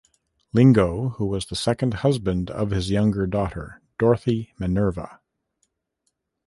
Lingo, who was the second husband of his younger daughter, Dorothy Minerva.